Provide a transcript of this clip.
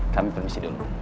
kami permisi dulu